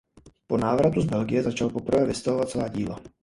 Po návratu z Belgie začal poprvé vystavovat svá díla.